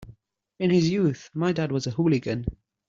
In his youth my dad was a hooligan.